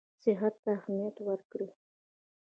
صحت ته اهمیت ورکړي.